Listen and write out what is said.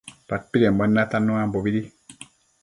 padpidembuen natannu anobidi